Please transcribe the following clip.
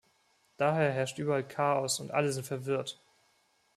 Daher herrscht überall Chaos, und alle sind verwirrt.